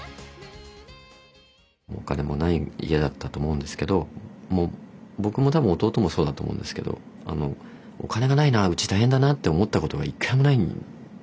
お金もない家だったと思うんですけどもう僕も多分弟もそうだと思うんですけどお金がないなぁうち大変だなぁって思ったことが１回もないんですよ。